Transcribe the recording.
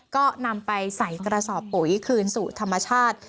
ก็นำไปใส่กระสอบปุ๋ยคืนสู่ธรรมชาติ